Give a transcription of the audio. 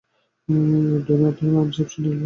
Donut lord আর ঝাপসা নীল আবার ফিরে এসেছে!